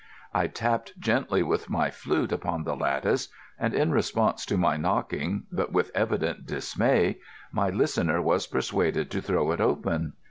I tapped gently with my flute upon the lattice, and in response to my knocking, but with evident dismay, my listener was persuaded to throw it open.